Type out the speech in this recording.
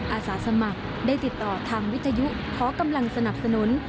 อาสาสมัครได้ติดต่อทางวิทยุขอกำลังสนับสนุน